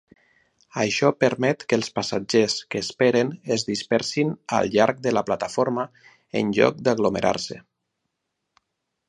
Això permet que els passatgers que esperen es dispersin al llarg de la plataforma en lloc d'aglomerar-se.